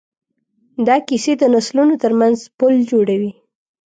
دا کیسې د نسلونو ترمنځ پل جوړوي.